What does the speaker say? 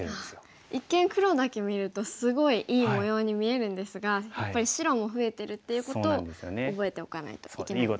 一見黒だけ見るとすごいいい模様に見えるんですがやっぱり白も増えてるっていうことを覚えておかないといけないですね。